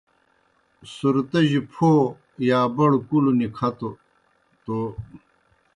صُرتِجیْ پھو یا بڑوْ کُلوْ نِکَھتوْ بِکَھئیں پٹھہ چُکٹے پھو گڑینَن۔